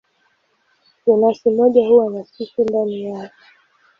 Jenasi moja huwa na spishi ndani yake.